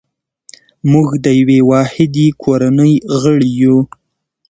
موږ د یوې واحدې کورنۍ غړي یو.